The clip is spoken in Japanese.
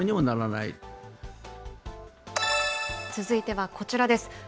続いてはこちらです。